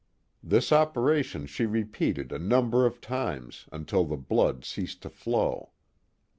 This operation she repeated a number of times, until the blood ceased to flow.